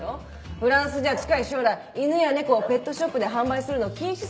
フランスじゃ近い将来犬や猫をペットショップで販売するのを禁止する法律だって。